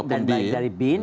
dan dari bin